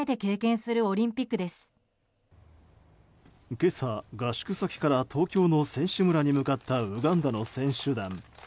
今朝、合宿先から東京の選手村に向かったウガンダの選手団。